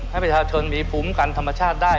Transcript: ให้ประชาชนมีภูมิกันธรรมชาติได้